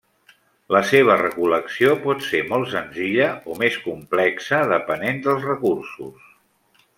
La seva recol·lecció pot ser molt senzilla o més complexa depenent dels recursos.